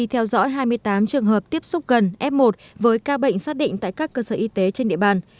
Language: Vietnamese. theo dõi hai mươi tám trường hợp tiếp xúc gần f một với ca bệnh xác định tại các cơ sở y tế trên địa bàn